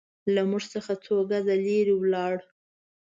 له موږ څخه څو ګزه لرې ولاړ.